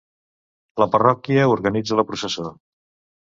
La parròquia organitza la processó.